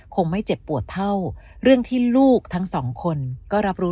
คงไม่เจ็บปวดเท่าเรื่องที่ลูกทั้งสองคนก็รับรู้